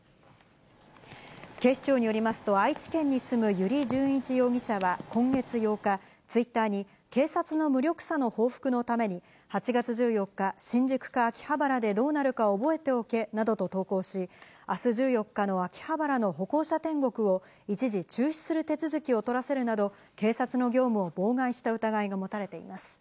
警視庁によりますと、愛知県に住む油利潤一容疑者は今月８日、ツイッターに、警察の無力さの報復のために、８月１４日、新宿か秋葉原でどーなるか覚えておけなどと投稿し、あす１４日の秋葉原の歩行者天国を、一時中止する手続きを取らせるなど、警察の業務を妨害した疑いが持たれています。